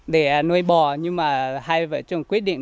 để nuôi bò nhưng mà hai vợ chồng quyết định